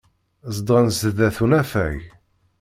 Zedɣen sdat unafag.